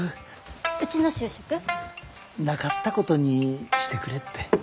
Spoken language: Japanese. うちの就職？なかったことにしてくれって。